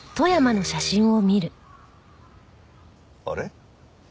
あれ？